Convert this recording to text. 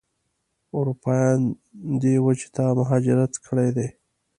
اروپایانو دې وچې ته مهاجرت کړی دی.